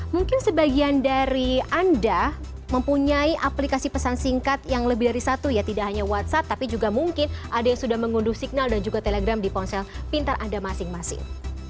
mungkin sebagian dari anda mempunyai aplikasi pesan singkat yang lebih dari satu ya tidak hanya whatsapp tapi juga mungkin ada yang sudah mengunduh signal dan juga telegram di ponsel pintar anda masing masing